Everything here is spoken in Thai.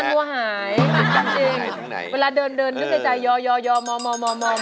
กันวัวหายจริงเวลาเดินก็ใจยอยอยอมอมอมอมอมอ